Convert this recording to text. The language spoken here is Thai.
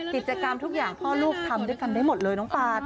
กิจกรรมทุกอย่างพ่อลูกทำด้วยกันได้หมดเลยน้องปาน